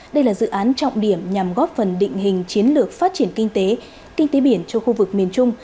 đây là dự án trọng điểm nhằm góp phần định hình chiến lược phát triển kinh tế kinh tế biển cho khu vực miền trung